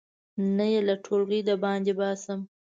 نه یې له ټولګي د باندې باسم.